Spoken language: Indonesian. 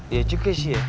iya juga sih ya